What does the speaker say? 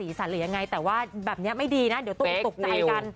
สันหรือยังไงแต่ว่าแบบนี้ไม่ดีนะเดี๋ยวตกตกใจกัน